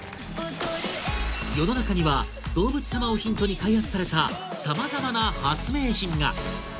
世の中には動物さまをヒントに開発されたさまざまな発明品が！